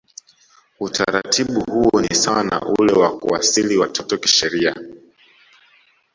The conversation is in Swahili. Utaratibu huo ni sawa na ule wa kuasili watoto kisheria